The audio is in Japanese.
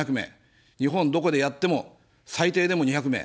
日本どこでやっても、最低でも２００名。